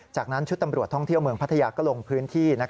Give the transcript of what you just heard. จากนั้นชุดตำรวจท่องเที่ยวเมืองพัทยาก็ลงพื้นที่